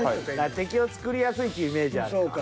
敵を作りやすいっていうイメージあるか。